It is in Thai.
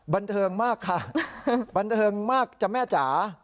บันเทิงมากค่ะบันเทิงมากจ้ะแม่จ๋า